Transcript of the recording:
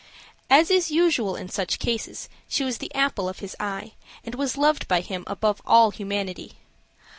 As is usual in such cases, she was the apple of his eye, and was loved by him above all humanity.